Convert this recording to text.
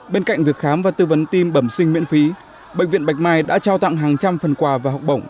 bên cạnh việc khám và tư vấn tim bẩm sinh miễn phí bệnh viện bạch mai đã trao tặng hàng trăm phần quà và học bổng